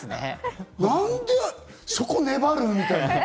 なんでそこ粘る？みたいな。